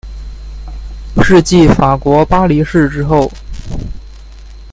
是继法国巴黎市之后。